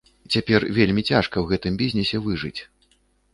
Цяпер вельмі цяжка ў гэтым бізнесе выжыць.